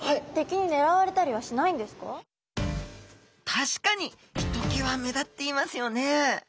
確かにひときわ目立っていますよね。